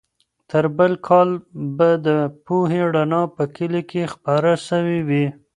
تر بل کال به د پوهې رڼا په کلي کې خپره سوې وي.